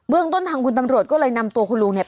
เรื่องต้นทางคุณตำรวจก็เลยนำตัวคุณลุงเนี่ย